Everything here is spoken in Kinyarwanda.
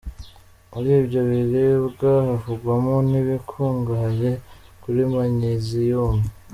Muri ibyo biribwa havugwamo n’ibikungahaye kuri manyeziyumu.